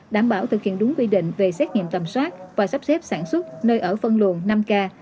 đảm bảo thực hiện đúng quy định về xét nghiệm tầm soát và sắp xếp sản xuất nơi ở phân luồn năm k